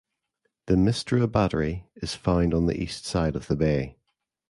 The Mistra Battery is found on the east side of the bay.